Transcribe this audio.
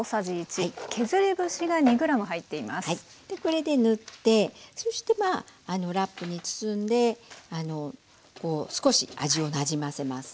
これで塗ってそしてラップに包んで少し味をなじませます。